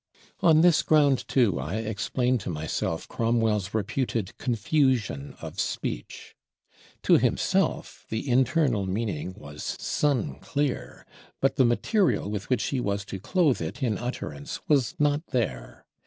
On this ground, too, I explain to myself Cromwell's reputed confusion of speech. To himself the internal meaning was sun clear; but the material with which he was to clothe it in utterance was not there.